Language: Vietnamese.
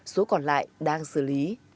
số còn lại đang xử lý